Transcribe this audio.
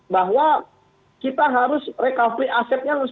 bahwa kita harus rekaplik asetnya harus